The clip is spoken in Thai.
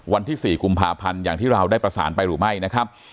วันที่๔กุมภาพันธ์อย่างที่เราได้ประสานไปหรือไม่นะครับ